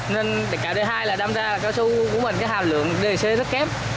nên cạo d hai là đâm ra cao su của mình cái hàm lượng dc rất kém